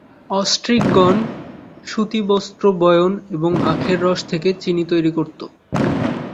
অস্ট্রিকগণ সুতি বস্ত্র বয়ন এবং আখের রস থেকে চিনি তৈরি করত।